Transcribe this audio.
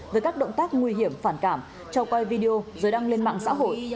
với các động tác nguy hiểm phản cảm trao quay video giới đăng lên mạng xã hội